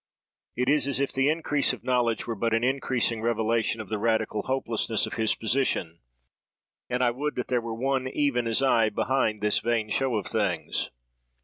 It is as if the increase of knowledge were but an increasing revelation of the radical hopelessness of his position: and I would that there were one even as I, behind this vain show of things!